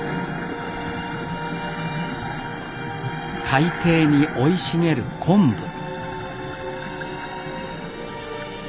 海底に生い茂る昆布。